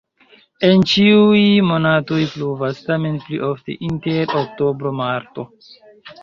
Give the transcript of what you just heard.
En ĉiuj monatoj pluvas, tamen pli ofte inter oktobro-marto.